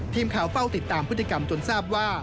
ทีมข่าวเฝ้าติดตามพฤติกรรมจนทราบว่า